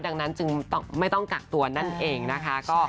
ดังนั้นจึงไม่ต้องกักตัวนั่นเองนะคะ